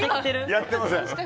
やってません。